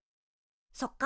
そっか。